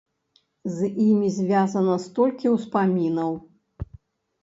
З імі звязана столькі ўспамінаў!